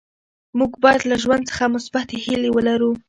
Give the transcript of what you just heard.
موږ باید له ژوند څخه مثبتې هیلې ولرو.